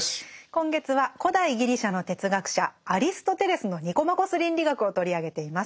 今月は古代ギリシャの哲学者アリストテレスの「ニコマコス倫理学」を取り上げています。